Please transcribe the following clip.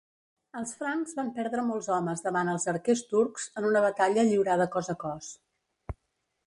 Els francs van perdre molts homes davant els arquers turcs en una batalla lliurada cos a cos.